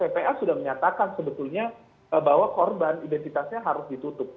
ppa sudah menyatakan sebetulnya bahwa korban identitasnya harus ditutup